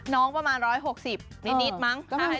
น้องประมาณ๑๖๐นิดมั้งถ้าให้ดิฉันว่า